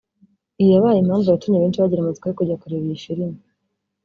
Iyi yabaye impamvu yatumye benshi bagira amatsiko yo kujya kureba iyi filime